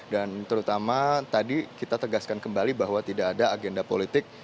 terutama tadi kita tegaskan kembali bahwa tidak ada agenda politik